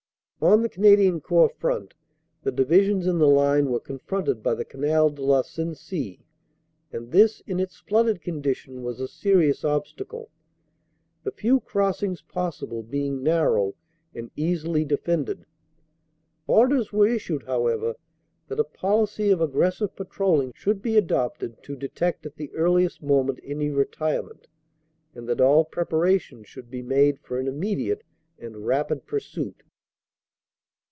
"On the Canadian Corps front, the Divisions in the line were confronted by the Canal de la Sensee, and this in its flooded condition was a serious obstacle, the few crossings possible being narrow and easily defended. Orders were issued, however, that a policy of aggressive patrolling should be adopted to detect at the earliest moment any retirement, and that all preparations should be made for an immediate and rapid pursuit.